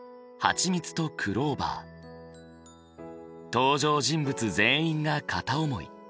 登場人物全員が片思い。